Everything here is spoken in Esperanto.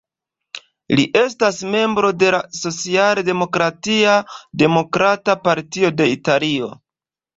Li estas membro de la socialdemokratia Demokrata Partio de Italio.